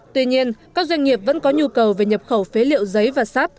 tuy nhiên các doanh nghiệp vẫn có nhu cầu về nhập khẩu phế liệu giấy và sáp